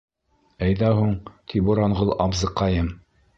«Әйҙә һуң», ти Буранғол абзыҡайым.